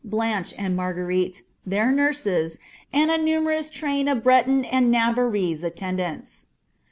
Bluni he and 3Iarguerite, tiieir nurses, and a numerous tnin of bicua >nd Navarrese attendants.'